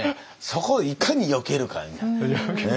そこをいかによけるかやんな。